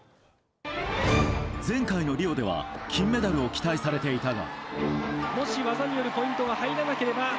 前回のリオでは金メダルを期待されていたが。